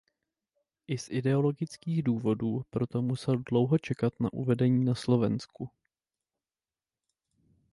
I z ideologických důvodů proto musel dlouho čekat na uvedení na Slovensku.